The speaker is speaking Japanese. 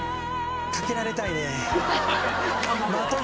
かけられたいねえ。